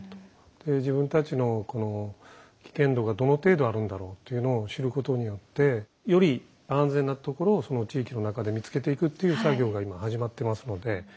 で自分たちのこの危険度がどの程度あるんだろうというのを知ることによってより安全なところをその地域の中で見つけていくっていう作業が今始まってますので。